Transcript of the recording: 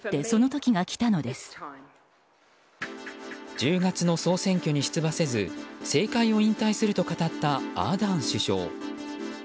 １０月の総選挙に出馬せず政界を引退すると語ったアーダーン首相。